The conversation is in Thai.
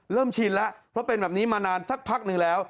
ชินแล้วเพราะเป็นแบบนี้มานานสักพักหนึ่งแล้ว